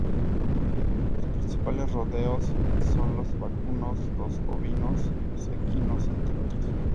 Los principales rodeos son los vacunos, los ovinos y los equinos, entre otros.